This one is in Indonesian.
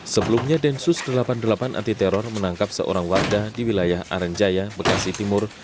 sebelumnya densus delapan puluh delapan anti teror menangkap seorang warga di wilayah arenjaya bekasi timur